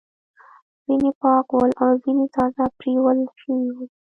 ځینې پاک ول او ځینې تازه پریولل شوي ول.